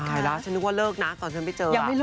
ใช่แล้วฉันนึกว่าเลิกนะตอนฉันไปเจอ